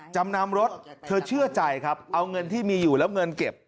จำนำรถเธอเชื่อใจครับเอาเงินที่มีอยู่แล้วเงินเก็บ